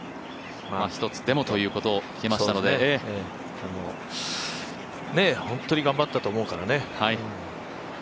一つでもということを聞けましたので本当に頑張ったと思うからね。